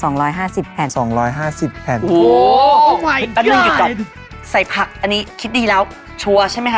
โอ้วตั้งนึงถึงก่อนใส่ผักอันนี้คิดดีแล้วชัวร์ใช่ไหมคะ